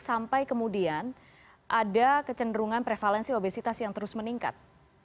sampai kemudian ada kecenderungan prevalensi obesitas yang terus meningkat